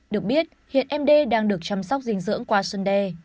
được biết hiện md đang được chăm sóc dinh dưỡng qua xuân đề